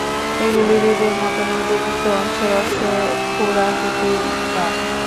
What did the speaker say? এগুলি হ্রদের মতো নদীর মৃত অংশের অশ্ব খুরাকৃতি বাঁক।